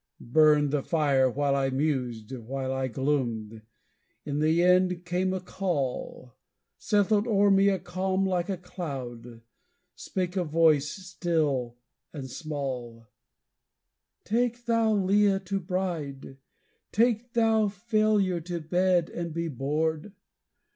Burned the fire while I mused, while I gloomed; in the end came a call; Settled o'er me a calm like a cloud, spake a voice still and small: "Take thou Leah to bride, take thou Failure to bed and to board!